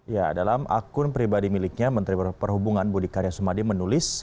ya dalam akun pribadi miliknya menteri perhubungan budi karya sumadi menulis